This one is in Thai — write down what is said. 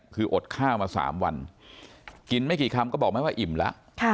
คืออดข้าวมา๓วันกินไม่กี่คำก็บอกไหมว่าอิ่มแล้ว